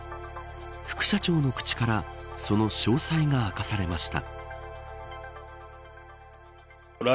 副社長の口からその詳細が明かされました。